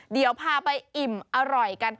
เดี๋ยวพาไปอิ่มอร่อยกัน